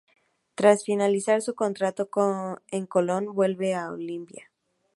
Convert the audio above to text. Tras finalizar su contrato en Colón vuelve a Olimpia.